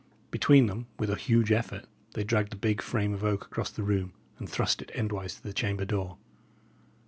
Between them, with a huge effort, they dragged the big frame of oak across the room, and thrust it endwise to the chamber door.